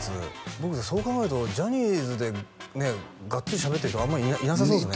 僕そう考えるとジャニーズでねがっつりしゃべってる人あんまいなさそうですね